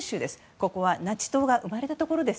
ここはナチ党が生まれたところです。